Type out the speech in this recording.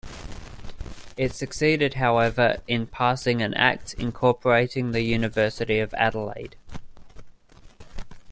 It succeeded, however, in passing an act incorporating the University of Adelaide.